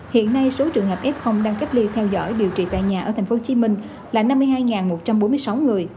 hiện nay số trường hợp f đang cách ly theo dõi điều trị tại nhà ở tp hcm là năm mươi hai một trăm bốn mươi sáu người